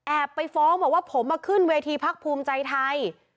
ไปฟ้องบอกว่าผมมาขึ้นเวทีพักภูมิใจไทย